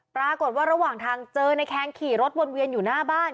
ปรากฏว่าระหว่างทางเจอในแคนขี่รถวนเวียนอยู่หน้าบ้าน